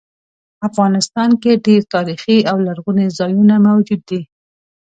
افغانستان کې ډیر تاریخي او لرغوني ځایونه موجود دي